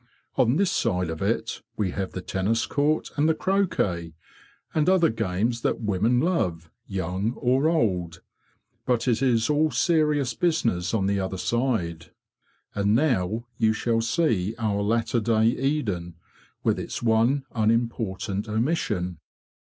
On this side of it we have the tennis court and the croquet, and other games that women love, young or old. But it is all serious business on the other side. And CHLOE AMONG THE BEES 39 now you shall see our latter day Eden, with its one unimportant omission."